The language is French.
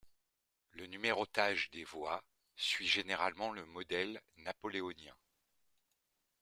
Le numérotage des voies suit généralement le modèle napoléonien.